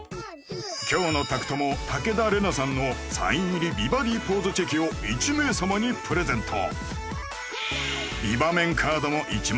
今日の宅トモ武田玲奈さんのサイン入り美バディポーズチェキを１名様にプレゼント